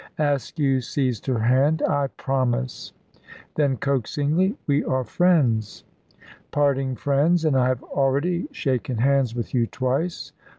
Askew seized her hand. "I promise!" Then, coaxingly: "We are friends!" "Parting friends, and I have already shaken hands with you twice.